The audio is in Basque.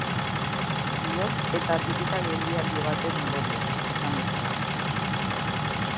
Bihotz eta birika-geldialdi baten ondorioz, esan bezala.